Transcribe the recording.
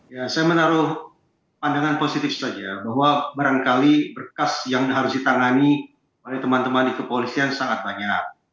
ya saya menaruh pandangan positif saja bahwa barangkali berkas yang harus ditangani oleh teman teman di kepolisian sangat banyak